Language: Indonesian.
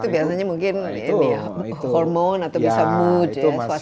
itu biasanya mungkin hormon atau bisa mood ya